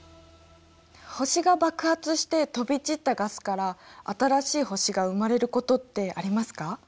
星が爆発して飛び散ったガスから新しい星が生まれることってありますか？